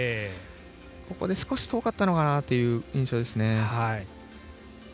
ここで少し遠かったのかなという印象ですね。